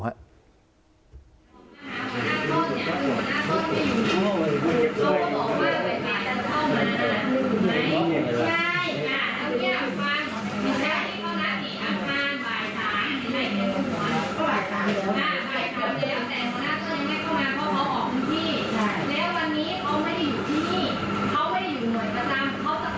กรุมจอมเนยะะ